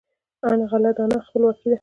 غله دانه خپلواکي ده.